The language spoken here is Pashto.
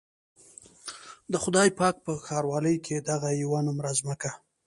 د خدای پاک په ښاروالۍ کې دغه يوه نومره ځمکه.